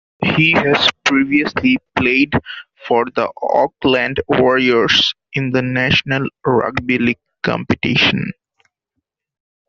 He has previously played for the Auckland Warriors in the National Rugby League competition.